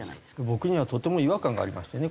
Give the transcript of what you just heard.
僕にはとても違和感がありましてね